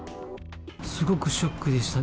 すごくショックでした。